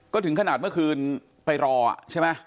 ก็ถึงขนาดเมื่อคืนไปรอใช่ไหม